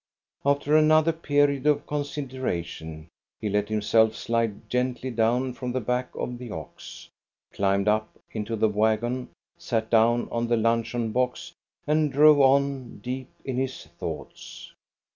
After another period of consideration he let him PA TRON JULIUS 325 self slide gently down from the back of the ox, climbed up into the wagon, sat down on the luncheon box, and drove on, deep in his thoughts.